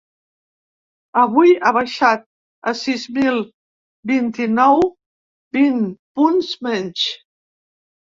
Avui, ha baixat a sis mil vint-i-nou, vint punts menys.